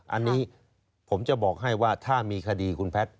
อันนี้ผมจะบอกให้ว่าถ้ามีคดีคุณแพทย์